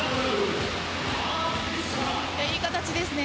いい形ですね。